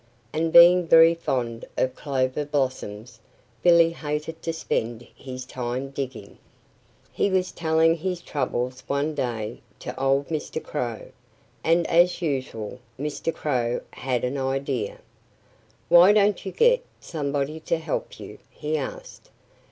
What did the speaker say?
And being very fond of clover blossoms, Billy hated to spend his time digging. He was telling his troubles one day to old Mr. Crow. And as usual, Mr. Crow had an idea. "Why don't you get somebody to help you?" he asked.